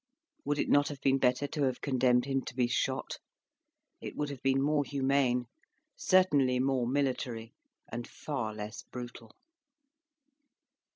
Would it not have been better to have condemned him to be shot? It would have been more humane, certainly more military, and far less brutal.